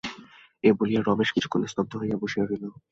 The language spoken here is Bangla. এই বলিয়া রমেশ কিছুক্ষণ স্তব্ধ হইয়া বসিয়া রহিল।